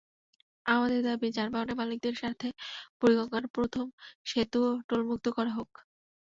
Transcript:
আমাদের দাবি যানবাহনের মালিকদের স্বার্থে বুড়িগঙ্গা প্রথম সেতুও টোলমুক্ত করা হোক।